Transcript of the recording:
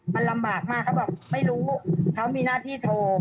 มันลำบากมากเขาบอกไม่รู้เขามีหน้าที่โทร